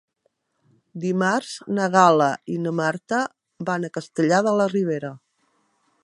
Dimarts na Gal·la i na Marta van a Castellar de la Ribera.